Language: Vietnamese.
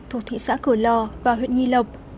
thuộc thị xã cửa lò và huyện nhi lộc